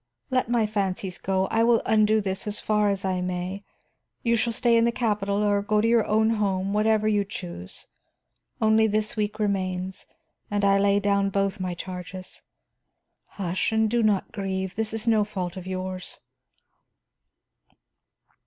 Let my fancies go; I will undo this as far as I may. You shall stay in the capital or go to your own home, whatever you choose. Only this week remains, and I lay down both my charges. Hush, and do not grieve; this is no fault of yours."